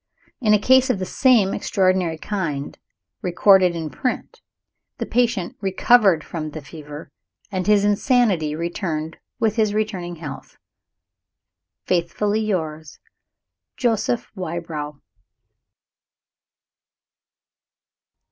In a case of the same extraordinary kind, recorded in print, the patient recovered from the fever, and his insanity returned with his returning health. Faithfully yours, JOSEPH WYBROW.